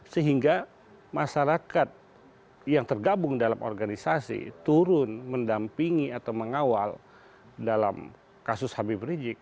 sehingga masyarakat yang tergabung dalam organisasi turun mendampingi atau mengawal dalam kasus habib rizik